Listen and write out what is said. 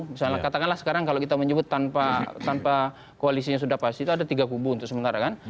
misalnya katakanlah sekarang kalau kita menyebut tanpa koalisinya sudah pasti itu ada tiga kubu untuk sementara kan